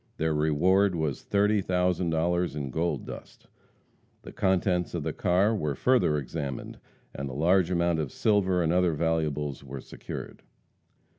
Their reward was thirty thousand dollars in gold dust. The contents of the car were further examined, and a large amount of silver and other valuables were secured.